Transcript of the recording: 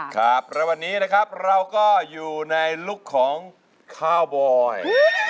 ครับแล้ววันนี้นะครับเราก็อยู่ในลุคของข้าวบอย